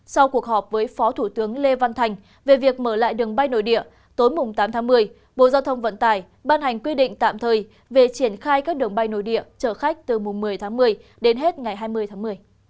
sau cuộc họp với phó thủ tướng lê văn thành về việc mở lại đường bay nội địa tối mùng tám tháng một mươi bộ giao thông vận tải ban hành quy định tạm thời về triển khai các đường bay nội địa chở khách từ mùng một mươi tháng một mươi đến hết ngày hai mươi tháng một mươi